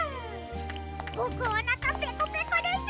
ぼくおなかペコペコです！